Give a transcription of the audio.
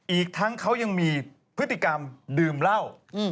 อีกทั้งเขายังมีพฤติกรรมดื่มเหล้า